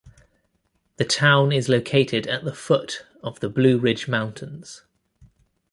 The town is located at the foot of the Blue Ridge Mountains.